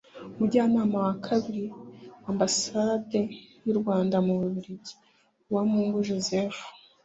Umunjyanama wa kabiri wa Ambasade y’u Rwanda mu Bubiligi (Uwamungu Joseph)